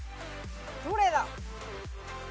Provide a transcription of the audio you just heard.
どれだ？